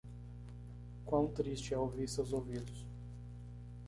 Quão triste é ouvir seus ouvidos.